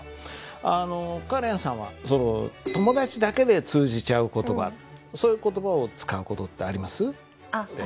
あのカレンさんは友達だけで通じちゃう言葉そういう言葉を使う事ってあります？